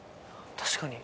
確かに。